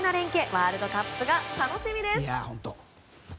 ワールドカップが楽しみです。